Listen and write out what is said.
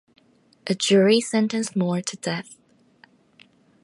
A jury sentenced Moore to death.